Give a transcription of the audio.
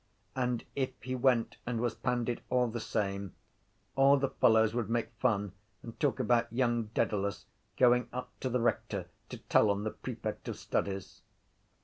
And if he went and was pandied all the same all the fellows would make fun and talk about young Dedalus going up to the rector to tell on the prefect of studies.